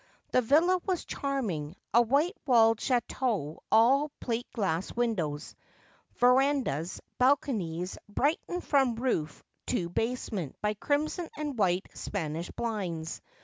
The villa was charming ; a white walled chateau all plate glass windows, verandahs, balconies, brightened from roof to basement by crimson and white Spanish blinds.